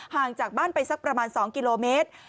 ห่างจากบ้านไปสักประมาณ๒กิโลเมตร